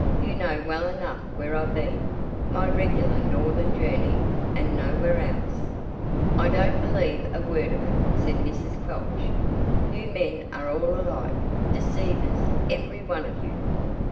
"You know well enough where I've been my regular northern journey, and nowhere else." "I don't believe a word of it," said Mrs. Quelch, "you men are all alike deceivers, every one of you."